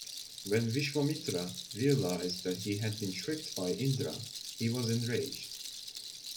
When Vishwamitra realized that he had been tricked by Indra, he was enraged.